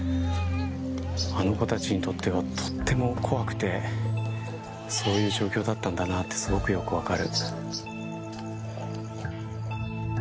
あの子たちにとってはとっても怖くてそういう状況だったんだなってすごくよく分かる。